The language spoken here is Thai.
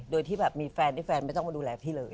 โดยที่แบบมีแฟนที่แฟนไม่ต้องมาดูแลพี่เลย